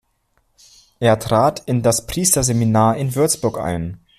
Er trat in das Priesterseminar in Würzburg ein.